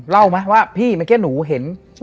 เรารอมั้งพี่หนูเห็น